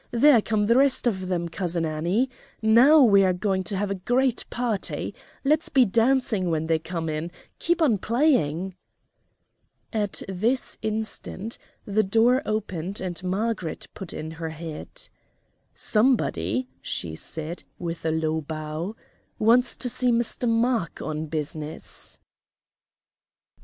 There come the rest of them, Cousin Annie. Now we are going to have a great party! Let's be dancing when they come in; keep on playing!" At this instant the door opened and Margaret put in her head. "Somebody," she said, with a low bow, "wants to see Mr. Mark on business."